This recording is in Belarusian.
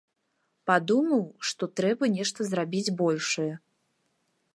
Падумаў, што трэба нешта зрабіць большае.